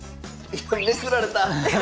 めくられた！